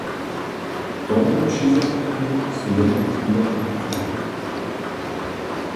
Tomu přizamknu so jednotliwe artikle.